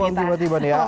dipotong tiba tiba ya ada